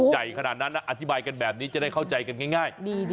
ใหญ่ขนาดนั้นอธิบายกันแบบนี้จะได้เข้าใจกันง่าย